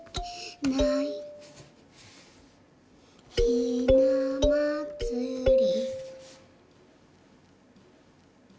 「ひなまつり」